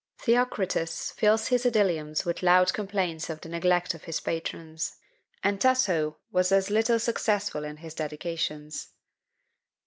Theocritus fills his Idylliums with loud complaints of the neglect of his patrons; and Tasso was as little successful in his dedications.